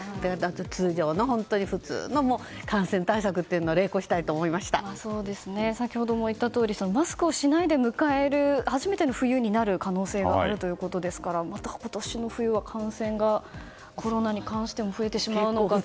通常の普通の本当に普通の感染対策というのを先ほども言ったとおりマスクをしないで迎える初めての冬になる可能性もあるということですからまた、今年の冬はコロナに関しても感染が増えてしまうのかなと。